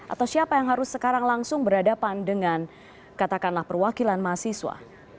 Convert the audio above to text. atau siapa yang harus sekarang langsung berhadapan dengan katakanlah perwakilan mahasiswa